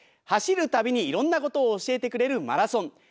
走るたびにいろんなことを教えてくれるマラソン。